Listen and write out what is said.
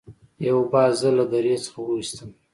یو باز زه له درې څخه وویستم.